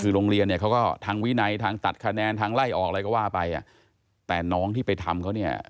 คือโรงเรียนเนี่ยเขาก็ทางวินัยทางตัดคะแนนทางไล่ออกอะไรก็ว่าไปอ่ะแต่น้องที่ไปทำเขาเนี่ย